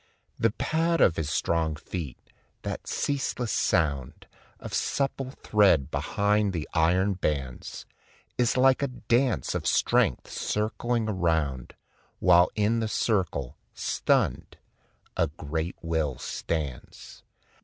The pad of his strong feet, that ceaseless sound Of supple tread behind the iron bands, Is like a dance of strength circling around, While in the circle, stunned, a great will stands.